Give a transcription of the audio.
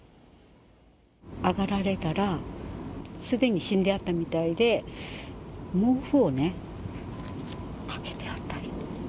上がられたら、すでに死んでやったみたいで、毛布をね、かけてあったいうて。